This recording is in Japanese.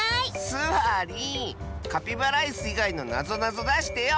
スワリンカピバライスいがいのなぞなぞだしてよ。